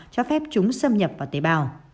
cho phép chúng xâm nhập vào tế bào